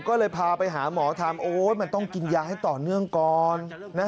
ก็เลยพาไปหาหมอทำโอ๊ยมันต้องกินยาให้ต่อเนื่องก่อน